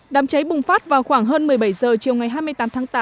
đám cháy bùng phát vào khoảng hơn một mươi bảy h chiều ngày hai mươi tám tháng tám